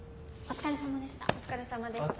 お疲れさまでした。